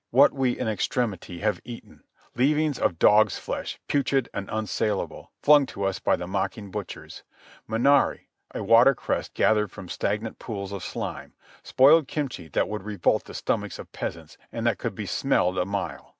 What we in extremity have eaten!—Leavings of dog's flesh, putrid and unsaleable, flung to us by the mocking butchers; minari, a water cress gathered from stagnant pools of slime; spoiled kimchi that would revolt the stomachs of peasants and that could be smelled a mile.